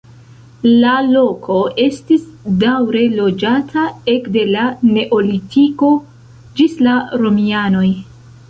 La loko estis daŭre loĝata ekde la neolitiko ĝis la romianoj.